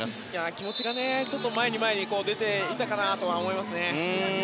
気持ちが前に前に出ていたかなと思いますね。